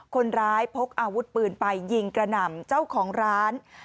พกอาวุธปืนไปยิงกระหน่ำเจ้าของร้าน